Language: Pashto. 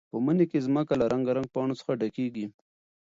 په مني کې ځمکه له رنګارنګ پاڼو څخه ډکېږي.